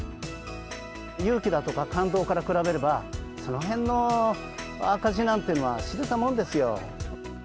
勇気だとか感動から比べれば、そのへんの赤字なんてのは、しれたものですよ。